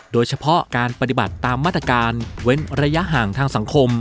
โดยเฉพาะการปฏิบัติตามมาตรการเว้นระยะห่างทางสังคม